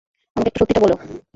আমাকে একটু সত্যিটা বলো?